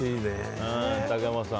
竹山さん。